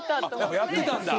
やってたんだ。